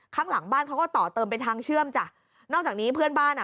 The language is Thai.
ข้างหลังบ้านเขาก็ต่อเติมเป็นทางเชื่อมจ้ะนอกจากนี้เพื่อนบ้านอ่ะ